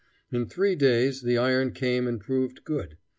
In three days the iron came and proved good.